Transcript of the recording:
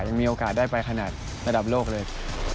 ยังมีโอกาสได้ไปขนาดระดับโลกเลย